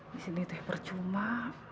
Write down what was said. disini tuh yang percuma